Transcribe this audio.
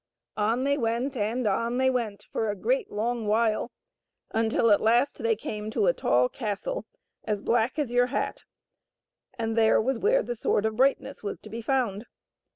On they went and on they went for a great long while, until at last they came to a tall castle as black as your hat, and there was where the Sword of Brightness was to be found.